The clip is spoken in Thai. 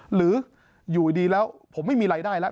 หรืออยู่ดีแล้วผมไม่มีรายได้แล้ว